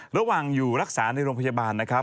ระหว่างอยู่รักษาในโรงพยาบาลนะครับ